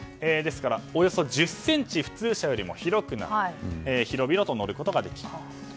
およそ１０ｃｍ普通車よりも広く広々と乗ることができると。